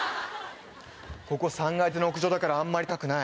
ここ３階建ての屋上だからあんまり高くない。